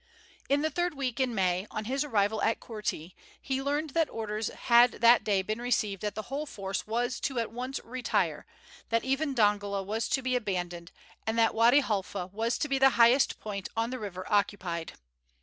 In the third week in May, on his arrival at Korti, he learned that orders had that day been received that the whole force was to at once retire, that even Dongola was to be abandoned, and that Wady Halfa was to be the highest point on the river occupied.